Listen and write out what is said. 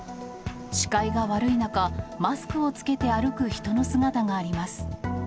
視界が悪い中、マスクを着けて歩く人の姿があります。